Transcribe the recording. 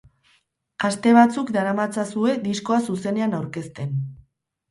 Aste batzuk daramatzazue diskoa zuzenean aurkezten.